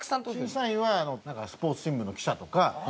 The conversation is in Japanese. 審査員はだからスポーツ新聞の記者とか。